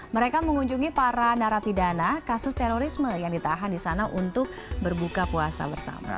mereka mengunjungi para narapidana kasus terorisme yang ditahan di sana untuk berbuka puasa bersama